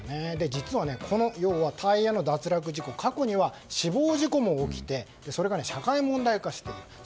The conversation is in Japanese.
実は、このタイヤの脱落事故過去には死亡事故も起きてそれが社会問題化している。